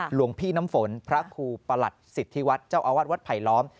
หลวงพี่น้ำฝนพระครูประหลัดสิทธิวัฒน์เจ้าอาวาสวัดไผลล้อม